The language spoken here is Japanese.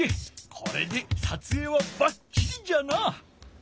これでさつえいはばっちりじゃな！